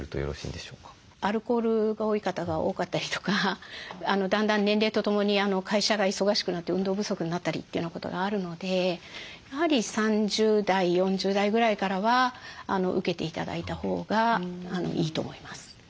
アルコールが多い方が多かったりとかだんだん年齢とともに会社が忙しくなって運動不足になったりというようなことがあるのでやはり３０代４０代ぐらいからは受けて頂いたほうがいいと思います。